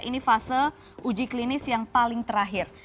ini fase uji klinis yang paling terakhir